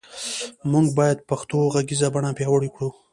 مونږ باد پښتو غږیزه بڼه پیاوړی کړو